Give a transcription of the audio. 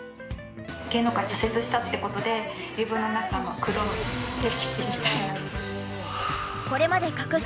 芸能界を挫折したって事で自分の中の黒歴史みたいな。